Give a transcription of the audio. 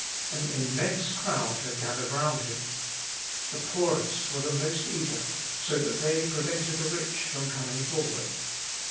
An immense crowd had gathered round him. The poorest were the most eager, so that they prevented the rich from coming forward.